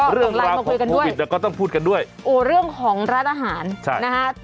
เรื่องราวของโควิดแต่ก็ต้องพูดกันด้วยเรื่องของรัฐอาหารใช่